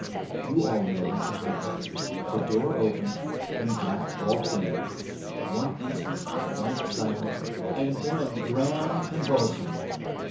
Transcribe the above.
You all know how it happened. The door opened and Jack walked in. One instant of blank silence, and then a grand convulsion.